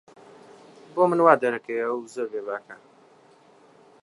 بۆ من وا دەردەکەوێت کە ئەو زۆر بێباکە.